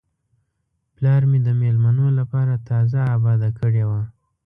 پلار مې د میلمنو لپاره تازه آباده کړې وه.